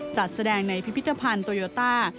จัดแสดงในพิพิธภัณฑ์โตโยต้า